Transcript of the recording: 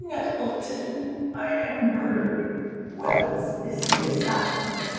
Nettleton, I am murdered. WELLS is the assassin!